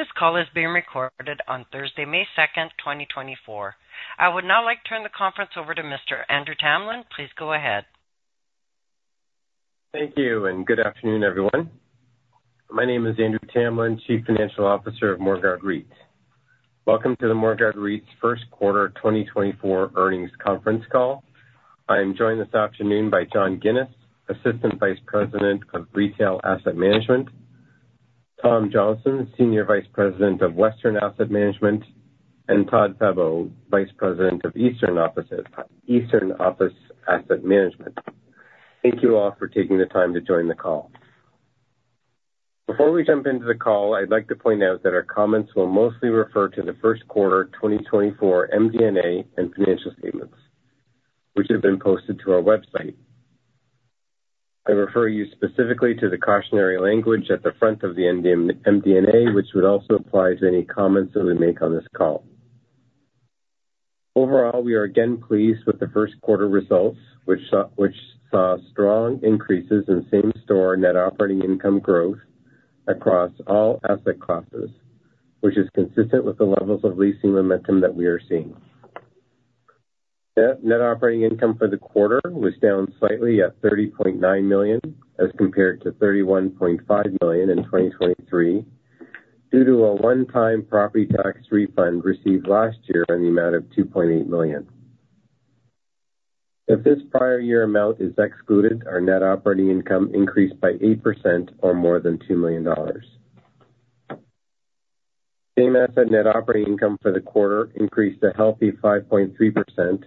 This call is being recorded on Thursday, May 2, 2024. I would now like to turn the conference over to Mr. Andrew Tamlin. Please go ahead. Thank you, and good afternoon, everyone. My name is Andrew Tamlin, Chief Financial Officer of Morguard REIT. Welcome to the Morguard REIT's first quarter 2024 earnings conference call. I am joined this afternoon by John Ginis, Assistant Vice President of Retail Asset Management, Tom Johnston, Senior Vice President of Western Asset Management, and Todd Febbo, Vice President of Eastern Offices, Eastern Office Asset Management. Thank you all for taking the time to join the call. Before we jump into the call, I'd like to point out that our comments will mostly refer to the first quarter 2024 MD&A and financial statements, which have been posted to our website. I refer you specifically to the cautionary language at the front of the MD&A, which would also apply to any comments that we make on this call. Overall, we are again pleased with the first quarter results, which saw strong increases in same store net operating income growth across all asset classes, which is consistent with the levels of leasing momentum that we are seeing. Net operating income for the quarter was down slightly at 30.9 million, as compared to 31.5 million in 2023, due to a one-time property tax refund received last year in the amount of 2.8 million. If this prior year amount is excluded, our net operating income increased by 8% or more than 2 million dollars. Same asset net operating income for the quarter increased a healthy 5.3%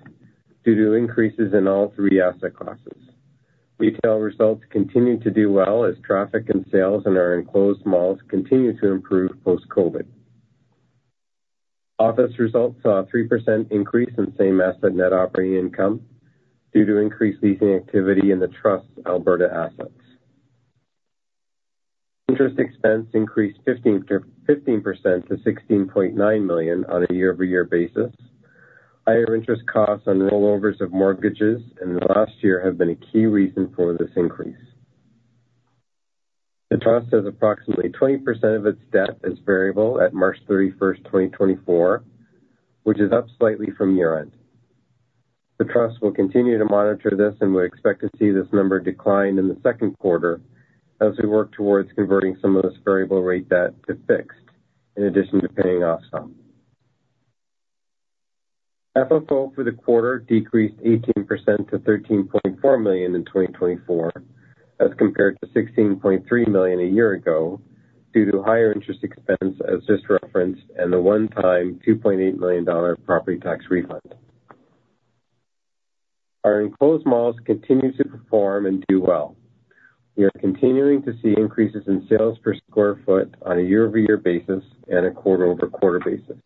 due to increases in all three asset classes. Retail results continued to do well as traffic and sales in our enclosed malls continued to improve post-COVID. Office results saw a 3% increase in same asset net operating income due to increased leasing activity in the trust's Alberta assets. Interest expense increased 15% to 16.9 million on a year-over-year basis. Higher interest costs on rollovers of mortgages in the last year have been a key reason for this increase. The trust has approximately 20% of its debt as variable at March 31, 2024, which is up slightly from year-end. The trust will continue to monitor this, and we expect to see this number decline in the second quarter as we work towards converting some of this variable rate debt to fixed, in addition to paying off some. FFO for the quarter decreased 18% to 13.4 million in 2024, as compared to 16.3 million a year ago, due to higher interest expense, as just referenced, and the one-time 2.8 million dollar property tax refund. Our enclosed malls continue to perform and do well. We are continuing to see increases in sales per sq ft on a year-over-year basis and a quarter-over-quarter basis.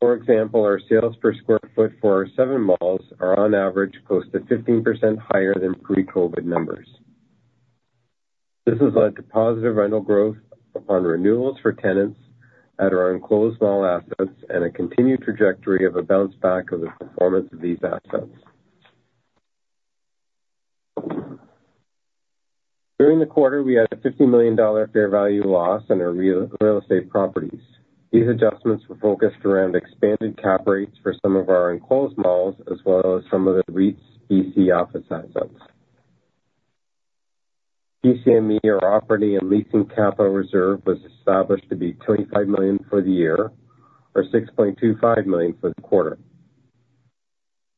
For example, our sales per sq ft for our seven malls are on average, close to 15% higher than pre-COVID numbers. This has led to positive rental growth upon renewals for tenants at our enclosed mall assets and a continued trajectory of a bounce back of the performance of these assets. During the quarter, we had a 50 million dollar fair value loss in our real estate properties. These adjustments were focused around expanded cap rates for some of our enclosed malls, as well as some of the REIT's BC office assets. PCME, our operating and leasing capital reserve, was established to be 25 million for the year, or 6.25 million for the quarter.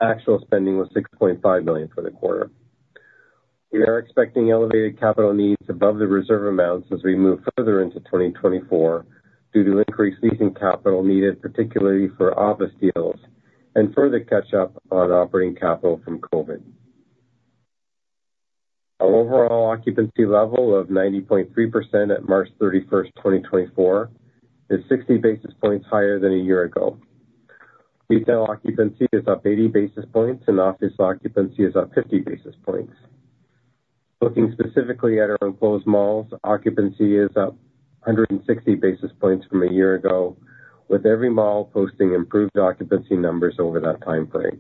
Actual spending was 6.5 million for the quarter. We are expecting elevated capital needs above the reserve amounts as we move further into 2024 due to increased leasing capital needed, particularly for office deals, and further catch up on operating capital from COVID. Our overall occupancy level of 90.3% at March 31, 2024, is 60 basis points higher than a year ago. Retail occupancy is up 80 basis points, and office occupancy is up 50 basis points. Looking specifically at our enclosed malls, occupancy is up 100 basis points from a year ago, with every mall posting improved occupancy numbers over that time frame.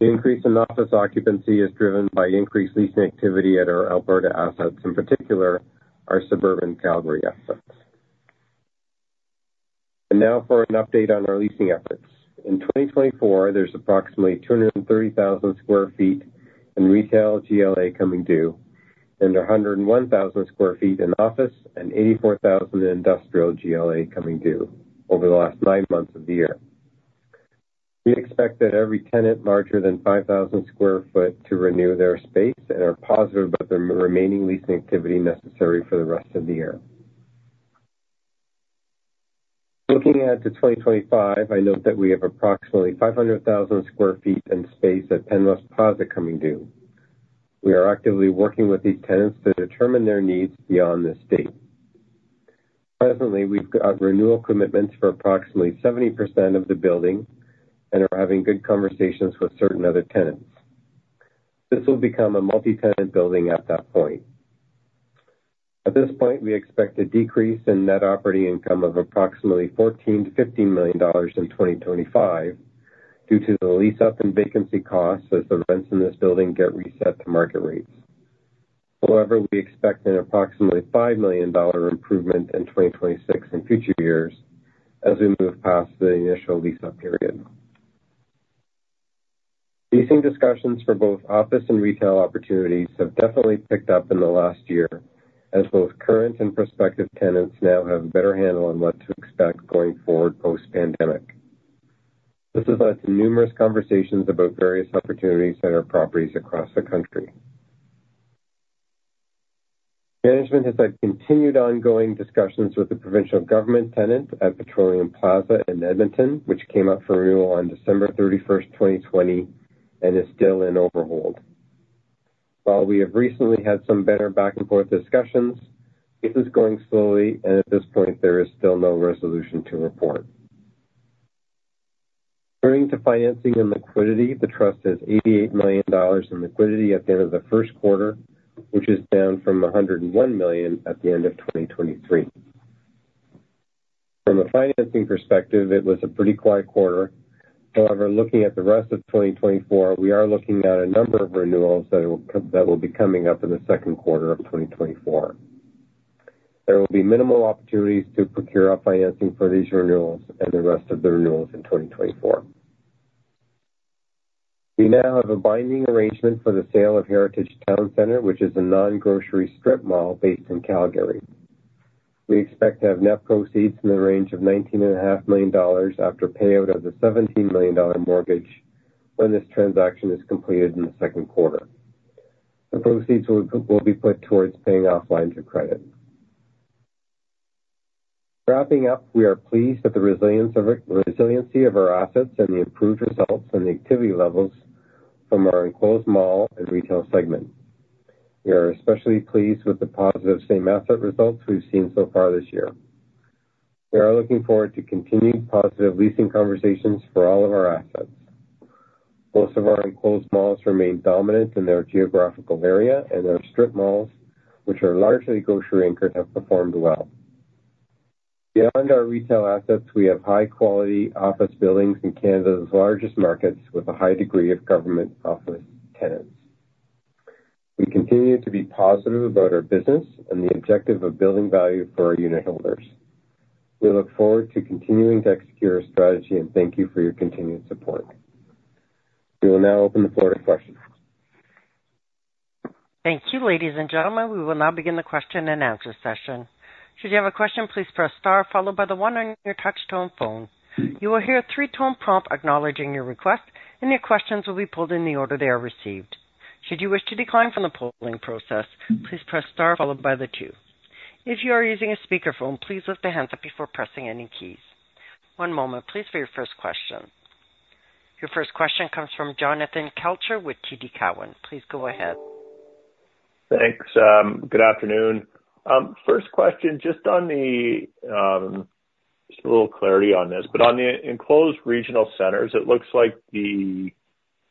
The increase in office occupancy is driven by increased leasing activity at our Alberta assets, in particular, our suburban Calgary assets. And now for an update on our leasing efforts. In 2024, there's approximately 230,000 sq ft in retail GLA coming due, and 101,000 sq ft in office and 84,000 sq ft in industrial GLA coming due over the last nine months of the year. We expect that every tenant larger than 5,000 sq ft to renew their space and are positive about the remaining leasing activity necessary for the rest of the year. Looking ahead to 2025, I note that we have approximately 500,000 sq ft in space at Penn West Plaza coming due. We are actively working with these tenants to determine their needs beyond this date. Presently, we've got renewal commitments for approximately 70% of the building and are having good conversations with certain other tenants. This will become a multi-tenant building at that point. At this point, we expect a decrease in net operating income of approximately 14-15 million dollars in 2025 due to the lease up and vacancy costs as the rents in this building get reset to market rates. However, we expect an approximately 5 million dollar improvement in 2026 in future years as we move past the initial lease up period. Leasing discussions for both office and retail opportunities have definitely picked up in the last year, as both current and prospective tenants now have a better handle on what to expect going forward post-pandemic. This has led to numerous conversations about various opportunities at our properties across the country. Management has had continued ongoing discussions with the provincial government tenant at Petroleum Plaza in Edmonton, which came up for renewal on December 31, 2020, and is still in overhold. While we have recently had some better back and forth discussions, this is going slowly, and at this point there is still no resolution to report. Turning to financing and liquidity, the trust has 88 million dollars in liquidity at the end of the first quarter, which is down from 101 million at the end of 2023. From a financing perspective, it was a pretty quiet quarter. However, looking at the rest of 2024, we are looking at a number of renewals that will be coming up in the second quarter of 2024. There will be minimal opportunities to procure our financing for these renewals and the rest of the renewals in 2024. We now have a binding arrangement for the sale of Heritage Towne Centre, which is a non-grocery strip mall based in Calgary. We expect to have net proceeds in the range of 19.5 million dollars after payout of the 17 million dollar mortgage when this transaction is completed in the second quarter. The proceeds will be put towards paying off lines of credit. Wrapping up, we are pleased with the resiliency of our assets and the improved results and the activity levels from our enclosed mall and retail segment. We are especially pleased with the positive same asset results we've seen so far this year. We are looking forward to continuing positive leasing conversations for all of our assets. Most of our enclosed malls remain dominant in their geographical area, and our strip malls, which are largely grocery anchored, have performed well. Beyond our retail assets, we have high quality office buildings in Canada's largest markets, with a high degree of government office tenants. We continue to be positive about our business and the objective of building value for our unitholders. We look forward to continuing to execute our strategy, and thank you for your continued support. We will now open the floor to questions. Thank you, ladies and gentlemen. We will now begin the question and answer session. Should you have a question, please press star followed by the one on your touch tone phone. You will hear a three-tone prompt acknowledging your request, and your questions will be pulled in the order they are received. Should you wish to decline from the polling process, please press star followed by the two. If you are using a speakerphone, please lift the handset before pressing any keys. One moment, please, for your first question. Your first question comes from Jonathan Kelcher with TD Cowen. Please go ahead. Thanks. Good afternoon. First question, just on the, just a little clarity on this, but on the enclosed regional centers, it looks like the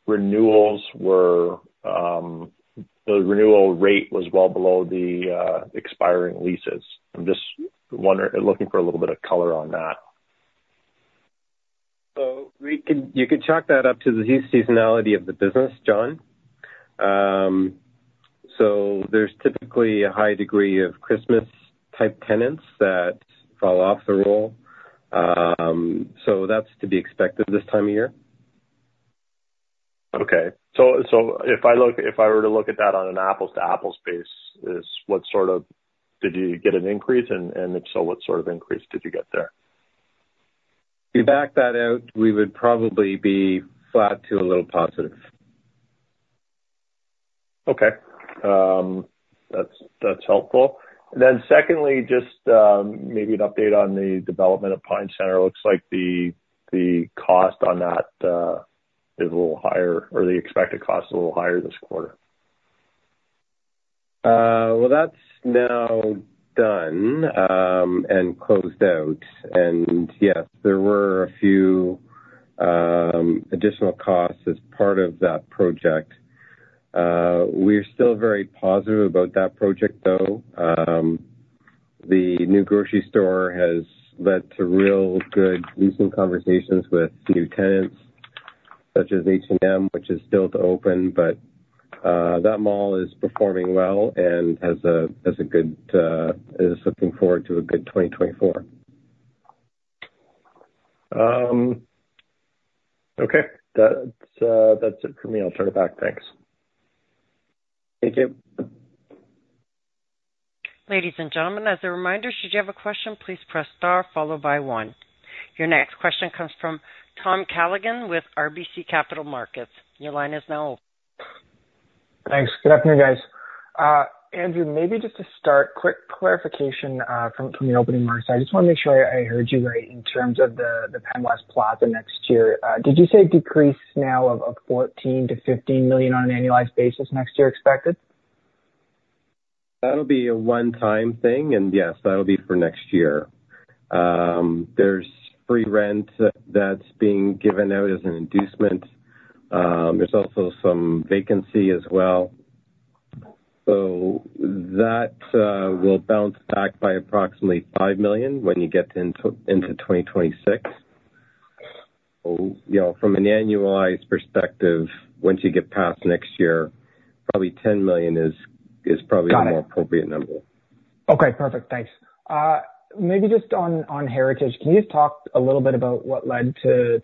renewals were, the renewal rate was well below the, expiring leases. I'm just looking for a little bit of color on that. You can chalk that up to the seasonality of the business, John. There's typically a high degree of Christmas-type tenants that fall off the roll. That's to be expected this time of year. Okay. So if I look, if I were to look at that on an apples-to-apples basis, what sort of. Did you get an increase? And if so, what sort of increase did you get there? If you back that out, we would probably be flat to a little positive. Okay. That's helpful. And then secondly, just maybe an update on the development of Pine Centre. Looks like the cost on that is a little higher or the expected cost is a little higher this quarter. Well, that's now done and closed out. Yes, there were a few additional costs as part of that project. We're still very positive about that project, though. The new grocery store has led to real good leasing conversations with new tenants such as H&M, which is still to open. But that mall is performing well and has a good, is looking forward to a good 2024. Okay. That's, that's it for me. I'll turn it back. Thanks. Thank you. Ladies and gentlemen, as a reminder, should you have a question, please press star followed by one. Your next question comes from Tom Callaghan with RBC Capital Markets. Your line is now open. Thanks. Good afternoon, guys. Andrew, maybe just to start, quick clarification from your opening remarks. I just want to make sure I heard you right in terms of the Penn West Plaza next year. Did you say a decrease now of 14 million-15 million on an annualized basis next year expected? That'll be a one-time thing, and yes, that'll be for next year. There's free rent that's being given out as an inducement. There's also some vacancy as well. So that will bounce back by approximately 5 million when you get into 2026. So, you know, from an annualized perspective, once you get past next year, probably 10 million is probably- Got it. a more appropriate number. Okay, perfect. Thanks. Maybe just on Heritage, can you talk a little bit about what led to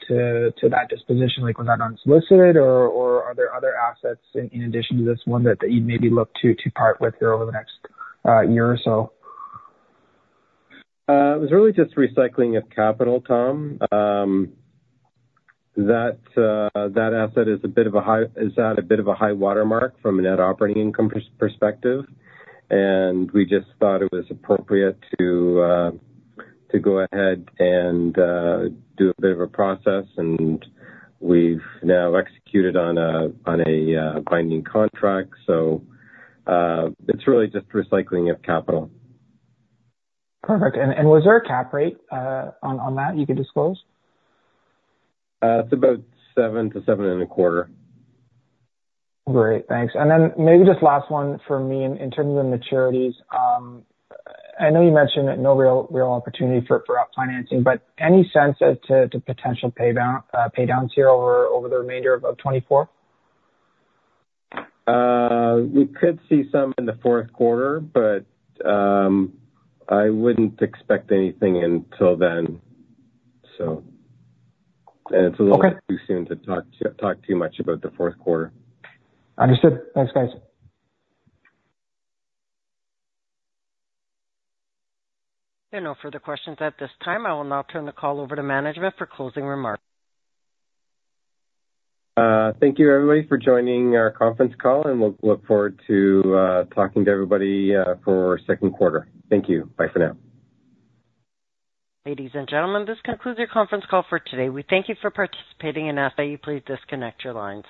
that disposition? Like, was that unsolicited, or are there other assets in addition to this one that you'd maybe look to part with over the next year or so? It was really just recycling of capital, Tom. That asset is at a bit of a high watermark from a net operating income perspective. We just thought it was appropriate to go ahead and do a bit of a process, and we've now executed on a binding contract. So, it's really just recycling of capital. Perfect. And was there a cap rate on that you could disclose? It's about 7-7.25. Great, thanks. And then maybe just last one for me. In terms of the maturities, I know you mentioned that no real opportunity for out financing, but any sense as to potential paydowns here over the remainder of 2024? We could see some in the fourth quarter, but I wouldn't expect anything until then. So- Okay. It's a little too soon to talk too much about the fourth quarter. Understood. Thanks, guys. There are no further questions at this time. I will now turn the call over to management for closing remarks. Thank you, everybody, for joining our conference call, and we'll look forward to talking to everybody for our second quarter. Thank you. Bye for now. Ladies and gentlemen, this concludes your conference call for today. We thank you for participating and ask that you please disconnect your lines.